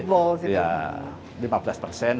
jadi kayak meatballs gitu